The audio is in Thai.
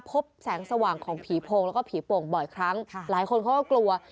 พบแสงสว่างของผีโพงแล้วก็ผีโป่งบ่อยครั้งหลายคนเขาก็กลัว